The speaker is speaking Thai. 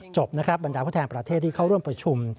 จบนะครับบรรดาผู้แทนประเทศที่เข้าร่วมประชุม